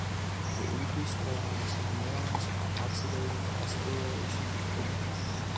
The increased reliance of neurons on oxidative phosphorylation for energy.